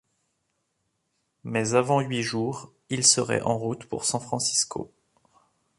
mais avant huit jours il serait en route pour San-Francisco.